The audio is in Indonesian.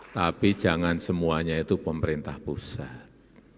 tapi jangan semuanya itu pemerintah pusat